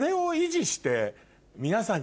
皆さんに。